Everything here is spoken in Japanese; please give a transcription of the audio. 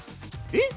えっ？